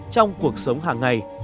trong cuộc sống hàng ngày